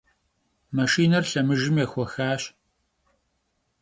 Машинэр лъэмыжым ехуэхащ.